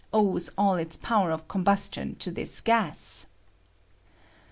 117 owes all its power of combustion to this gas.